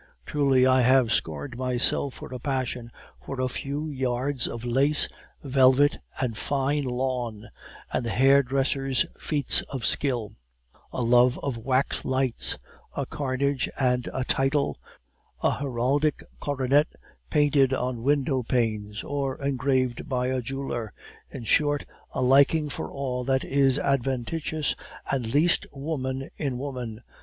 Truly I have scorned myself for a passion for a few yards of lace, velvet, and fine lawn, and the hairdresser's feats of skill; a love of wax lights, a carriage and a title, a heraldic coronet painted on window panes, or engraved by a jeweler; in short, a liking for all that is adventitious and least woman in woman.